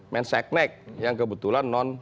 men sack neck yang kebetulan non